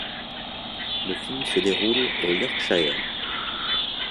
Le film se déroule au Yorkshire.